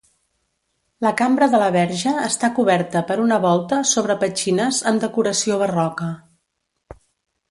La cambra de la verge està coberta per una volta sobre petxines amb decoració barroca.